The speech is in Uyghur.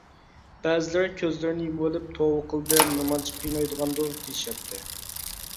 بەزىلىرى كۆزلىرىنى يۇمۇۋېلىپ : «توۋا قىلدىم، نېمانچە قىينايدىغاندۇ. » دېيىشەتتى.